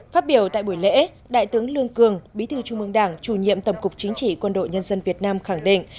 phát biểu tại buổi lễ đại tướng lương cường bí thư trung mương đảng chủ nhiệm tổng cục chính trị quân đội nhân dân việt nam khẳng định